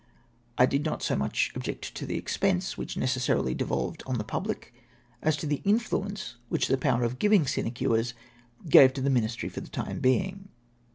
I did not so much object to the expense which necessarily devolved on the public, as to the influence which the power of giving sinecures gave to the ministry for tlie time being.